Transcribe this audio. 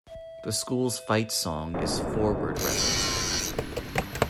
The school's fight song is Forward Rebels.